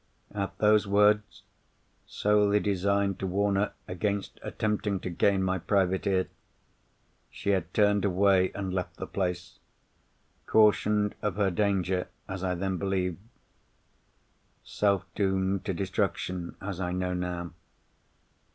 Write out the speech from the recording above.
At those words, solely designed to warn her against attempting to gain my private ear, she had turned away and left the place: cautioned of her danger, as I then believed; self doomed to destruction, as I know now.